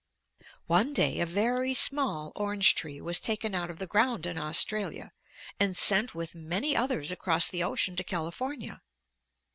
"One day a very small orange tree was taken out of the ground in Australia and sent with many others across the ocean to California.